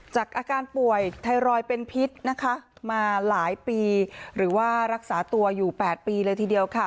อาการป่วยไทรอยด์เป็นพิษนะคะมาหลายปีหรือว่ารักษาตัวอยู่๘ปีเลยทีเดียวค่ะ